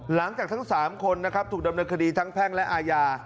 หลังจากทั้ง๓คนนะครับถูกดำเนินคดีทั้งแพ่งและอาญา